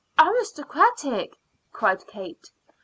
"Aristocratic!" cried Kate.